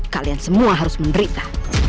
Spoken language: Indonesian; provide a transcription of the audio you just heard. kalian semua harus menderita